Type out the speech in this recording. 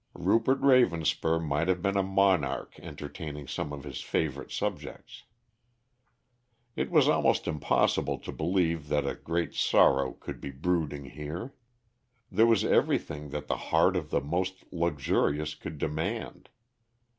Rupert Ravenspur might have been a monarch entertaining some of his favored subjects. It was almost impossible to believe that a great sorrow could be brooding here. There was everything that the heart of the most luxurious could demand.